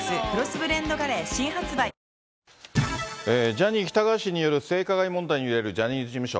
ジャニー喜多川氏による性加害問題に揺れるジャニーズ事務所。